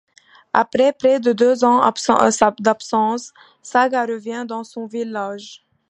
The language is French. Après près de deux ans d'absence, Saga revient dans son village.